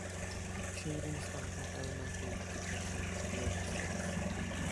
Children started elementary education at the age of six.